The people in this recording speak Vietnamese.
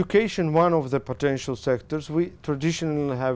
các trường hợp khác của azarbaizhan